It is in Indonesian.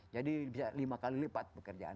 bisa lima kali lipat pekerjaan